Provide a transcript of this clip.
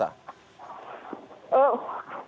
saya tidak melihat